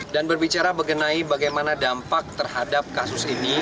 dan berbicara mengenai bagaimana dampak terhadap kasus ini